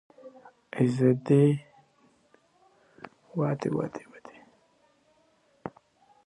ازادي راډیو د عدالت په اړه د حقایقو پر بنسټ راپور خپور کړی.